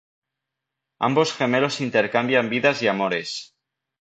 Ambos gemelos intercambian vidas y amores.